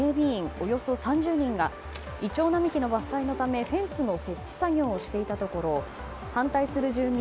およそ３０人がイチョウ並木の伐採のためフェンスの設置作業をしていたところ反対する住民